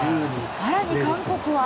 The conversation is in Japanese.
更に韓国は。